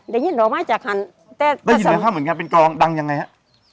ได้ยินไหมฮะเหมือนกันเป็นกองดังยังไงฮะ